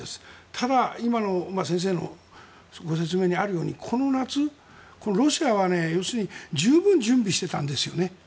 ただ今の先生のご説明にあるようにこの夏、ロシアは要するに十分準備していたんですよね。